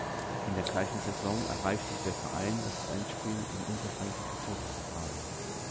In der gleichen Saison erreichte der Verein das Endspiel im unterfränkischen Toto-Pokal.